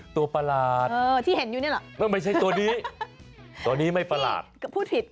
ตัวประหลาดไม่ใช่ตัวนี้ตัวนี้ไม่ประหลาดพูดผิด